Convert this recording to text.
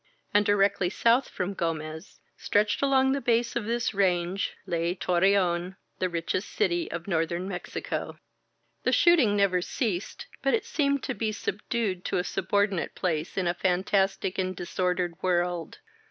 And directly south from Gomez, stretched along the base of thif range, lay Torreon, the richest city of northerr Mexico. 213 INSURGENT MEXICO The shooting never ceased, but it seemed to be sub dued to a subordinate place in a fantastic and dis ordered world.